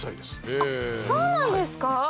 あっそうなんですか。